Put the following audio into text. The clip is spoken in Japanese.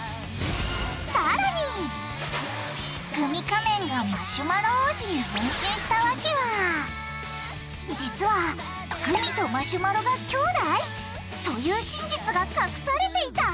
グミ仮面がマシュマロ王子に変身した訳は実はグミとマシュマロがきょうだい！？という真実が隠されていた！？